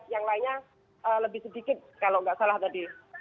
yang lainnya lebih sedikit kalau nggak salah tadi